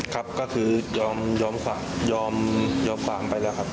ครับก็คือยอมฝามไปแล้วครับ